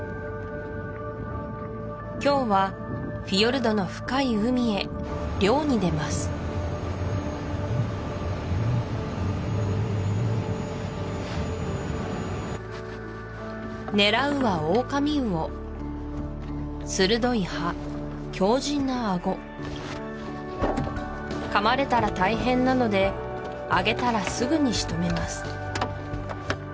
今日はフィヨルドの深い海へ漁に出ます狙うはオオカミウオ鋭い歯強じんなアゴ噛まれたら大変なので揚げたらすぐにしとめます